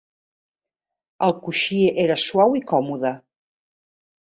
El coixí era suau i còmode.